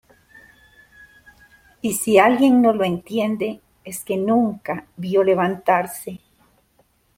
y si alguien no lo entiende, es que nunca vio levantarse